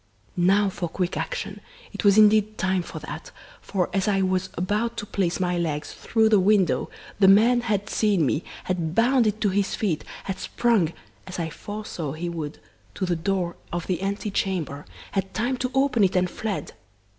"Now for quick action! It was indeed time for that, for as I was about to place my legs through the window, the man had seen me, had bounded to his feet, had sprung as I foresaw he would to the door of the ante chamber, had time to open it, and fled.